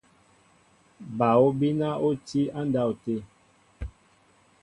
Bal obina oti ndáwte.